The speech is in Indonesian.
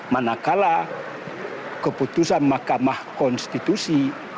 manakala keputusan mahkamah konstitusi